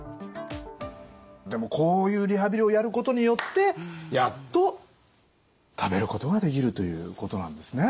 でもこういうリハビリをやることによってやっと食べることができるということなんですね。